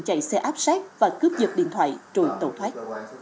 chạy xe áp sát và cướp dật điện thoại rồi tẩu thoát